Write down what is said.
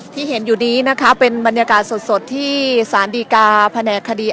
ที่เห็นอยู่นี้นะคะเป็นบรรยากาศสดที่สารดีกาแผนกคดี